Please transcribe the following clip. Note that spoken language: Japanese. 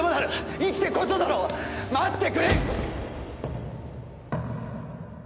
生きてこそだろう、待ってくれ。